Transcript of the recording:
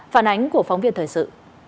phản ánh của phóng viên thời sự